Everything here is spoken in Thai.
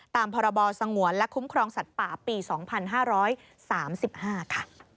ตามพศสงวนและคุ้มครองสัตว์ป่าปีสองพันห้าร้อยสามสิบห้าค่ะ